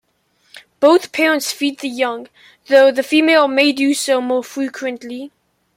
Both parents feed the young, though the female may do so more frequently.